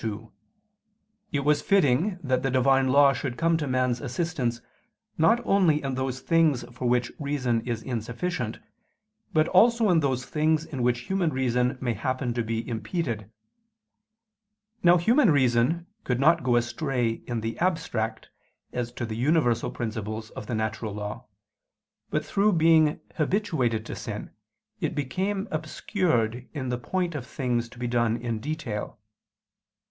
2: It was fitting that the Divine law should come to man's assistance not only in those things for which reason is insufficient, but also in those things in which human reason may happen to be impeded. Now human reason could not go astray in the abstract, as to the universal principles of the natural law; but through being habituated to sin, it became obscured in the point of things to be done in detail.